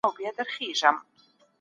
نړۍ ډېره ګړندۍ روانه ده.